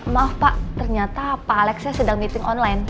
maaf pak ternyata pak alek saya sedang meeting online